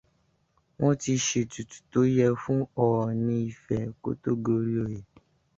Wọ́n ti ṣètùtù tó yẹ fún Ọọ̀ni Ifẹ̀ kó tó gorí oyè.